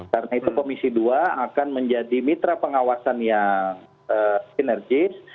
karena itu komisi dua akan menjadi mitra pengawasan yang sinergis